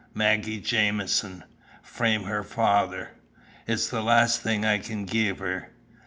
Maggie Jamieson, frae her father. It's the last thing I can gie her.